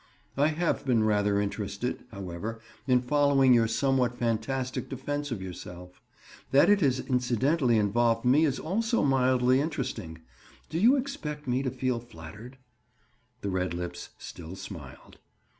"I have been rather interested, however, in following your somewhat fantastic defense of yourself. That it has incidentally involved me is also mildly interesting. Do you expect me to feel flattered?" The red lips still smiled.